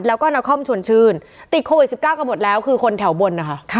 แล้วก็นครชวนชื่นติดโควิด๑๙กันหมดแล้วคือคนแถวบนนะคะ